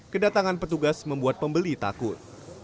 kedatangan petugas membuat pembeli takut